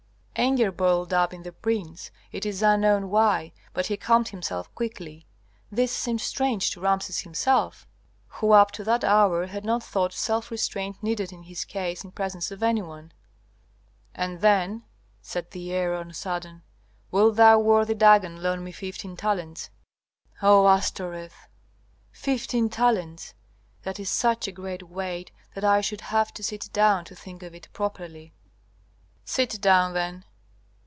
Anger boiled up in the prince, it is unknown why, but he calmed himself quickly. This seemed strange to Rameses himself, who up to that hour had not thought self restraint needed in his case in presence of any one. "And then," said the heir on a sudden, "wilt thou, worthy Dagon, loan me fifteen talents?" "O Astoreth! Fifteen talents? That is such a great weight that I should have to sit down to think of it properly." "Sit down then."